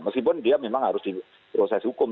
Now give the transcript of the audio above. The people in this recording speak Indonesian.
meskipun dia memang harus diproses hukum